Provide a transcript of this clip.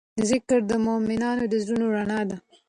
ذکر د مؤمنانو د زړونو رڼا ده.